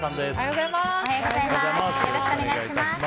よろしくお願いします。